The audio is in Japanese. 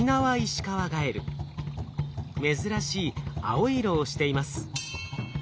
珍しい青い色をしています。